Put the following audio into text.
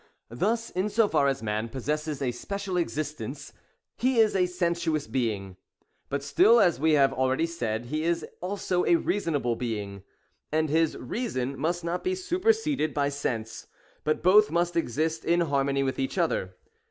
Thus in so far as man possesses a special existence, he is a sensuous being. But still, as we have already said, he is also a reasonable being; — and his Reason must not be superseded by Sense, but both must exist in harmony with each other.